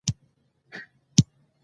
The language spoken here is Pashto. طالبان د خپلو خلکو لپاره امنیت غواړي.